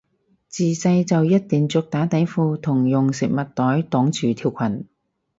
自細就一定着打底褲同用食物袋擋住條裙